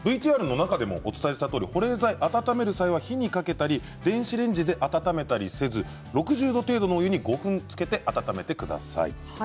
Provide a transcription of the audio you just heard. ＶＴＲの中でもお伝えしたとおり保冷剤を温める際は火にかけたり電子レンジで温めたりせず６０度程度のお湯に５分ほどつけて温めてください。